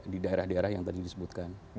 di daerah daerah yang tadi disebutkan